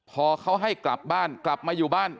พอเขาให้กลับมาอยู่บ้าน